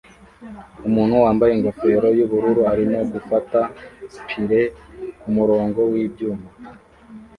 Umuntu wambaye ingofero yubururu arimo gufata pulley kumurongo wibyuma